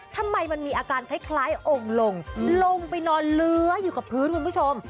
ทำไมมันมีอาการคล้ายองค์ลงลงไปนอนเลื้ออยู่กับพื้นคุณผู้ชม